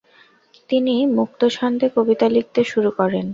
তিনি মুক্তছন্দে কবিতা লিখতে শুরু করেন।